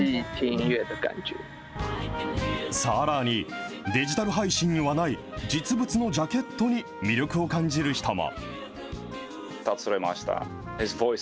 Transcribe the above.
さらに、デジタル配信にはない、実物のジャケットに魅力を感じる人も。